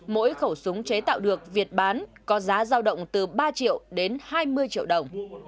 mỗi khẩu súng chế tạo được việt bán có giá giao động từ ba triệu đến hai mươi triệu đồng